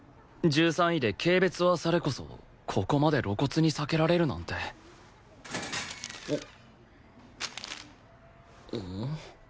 １３位で軽蔑はされこそここまで露骨に避けられるなんておっ？